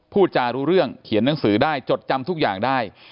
พูดจารู้เรื่องเขียนหนังสือได้จดจำทุกอย่างได้